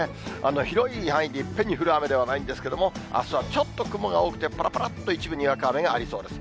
広い範囲でいっぺんに降る雨ではないんですけれども、あすはちょっと雲が多くて、ぱらぱらっと一部、にわか雨がありそうです。